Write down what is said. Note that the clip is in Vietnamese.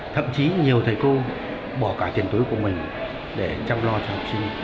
thậm chí nhiều thầy cô bỏ cả tiền túi của mình để chăm lo cho học sinh